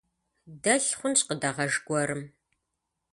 Дэлъ хъунщ къыдэгъэж гуэрым.